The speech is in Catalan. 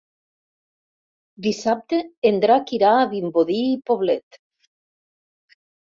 Dissabte en Drac irà a Vimbodí i Poblet.